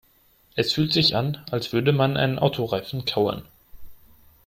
Es fühlt sich an, als würde man einen Autoreifen kauen.